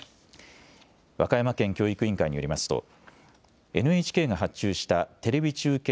和歌山県教育委員会によりますとＮＨＫが発注したテレビ中継